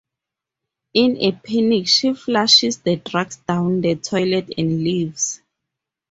In a panic, she flushes the drugs down the toilet and leaves.